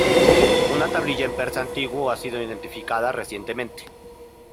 Una tablilla en persa antiguo ha sido identificada recientemente.